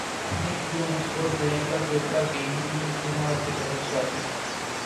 نک جونس اور پریانکا چوپڑا کی ہندو رسومات کے تحت شادی